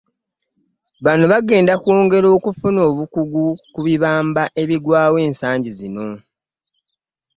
Bano bagenda kwongera okufuna obukugu ku bibamba ebigwawo ensangi zino.